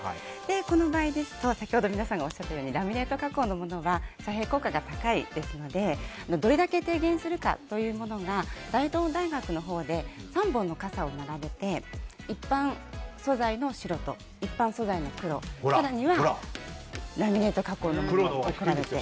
この場合ですと先ほど皆さんがおっしゃったようにラミネート加工のものは大変、効果が高いですのでどれだけ低減するかというものが大同大学のほうで３本の傘を並べて一般素材の白と一般素材の黒更にはラミネート加工の茶色を並べて。